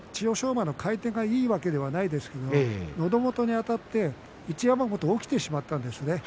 馬の回転がいいわけではないんですがのど元にあたって一山本が起きてしまったんですね。